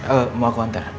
eee mau aku hantar